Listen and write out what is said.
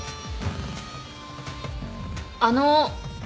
あの。